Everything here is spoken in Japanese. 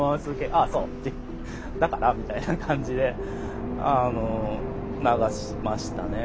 「ああそう。だから？」みたいな感じであの流しましたね。